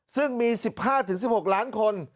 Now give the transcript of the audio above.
ซึ่งมี๑๕๑๖ล้านคน